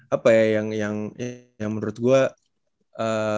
apa ya yang menurut gue